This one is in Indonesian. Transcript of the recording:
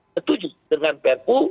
setuju dengan perpu